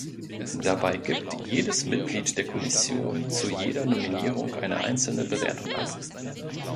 Dabei gibt jedes Mitglied der Kommission zu jeder Nominierung eine einzelne Bewertung ab.